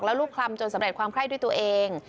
แล้วลูกคลำจนสำเร็จความไข้ด้วยตัวเอง